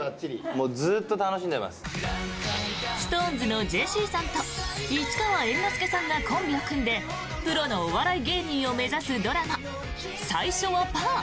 ＳｉｘＴＯＮＥＳのジェシーさんと市川猿之助さんがコンビを組んでプロのお笑い芸人を目指すドラマ「最初はパー」。